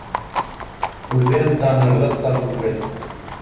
Үҙен танырлыҡ та түгел